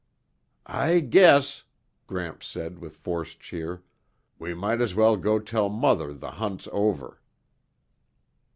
"I guess," Gramps said with forced cheer, "we might as well go tell Mother the hunt's over."